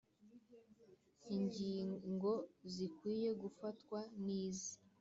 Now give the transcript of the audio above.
ingingo zikwiye gufatwa nizi